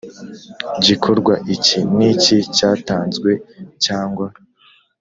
Gikorwa iki n iki cyatanzwe cyangwa